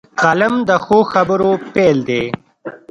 قلم د ښو خبرو پيل دی